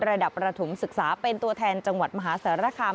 ระดับประถมศึกษาเป็นตัวแทนจังหวัดมหาสารคาม